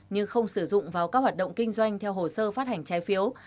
nhưng không sử dụng vào các hoạt động kinh doanh theo hồ sơ phát hành trái phiếu